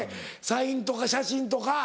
サインとか写真とか。